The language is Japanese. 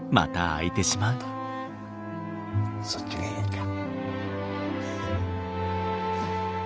そっちがええか。